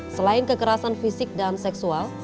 selain kekerasan fisik dan seksual